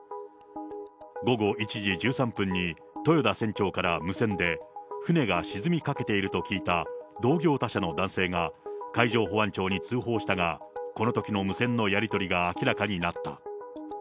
午後１時１３分に豊田船長から無線で、船が沈みかけていると聞いた同業他社の男性が、海上保安庁に通報したが、このときの無線のやり取りが明らかになった。